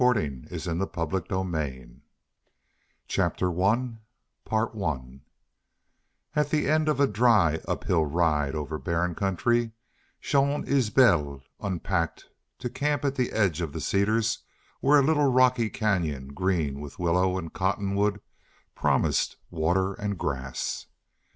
ZANE GREY. AVALON, CALIFORNIA, April, 1921 CHAPTER I At the end of a dry, uphill ride over barren country Jean Isbel unpacked to camp at the edge of the cedars where a little rocky canyon green with willow and cottonwood, promised water and grass.